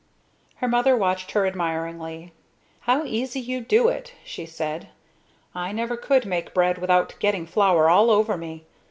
Her mother watched her admiringly. "How easy you do it!" she said. "I never could make bread without getting flour all over me.